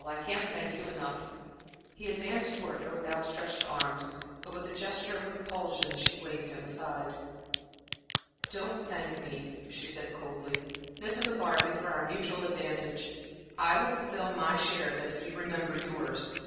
I can't thank you enough." He advanced towards her with outstretched arms, but with a gesture of repulsion she waved him aside. "Don't thank me," she said, coldly. "This is a bargain for our mutual advantage. I will fulfil my share of it if you remember yours.